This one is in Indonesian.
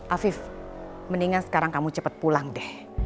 afif mendingan sekarang kamu cepat pulang deh